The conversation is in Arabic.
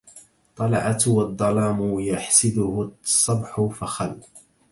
طلعت والظلام يحسده الصبح فخل